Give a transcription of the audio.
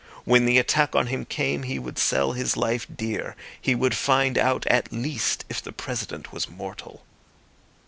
When the attack on him came he would sell his life dear. He would find out at least if the President was mortal.